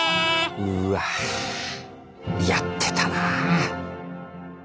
うわやってたな。